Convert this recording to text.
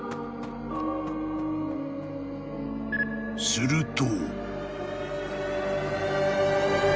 ［すると］